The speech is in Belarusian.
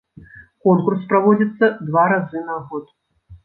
Конкурс праводзіцца два разы на год.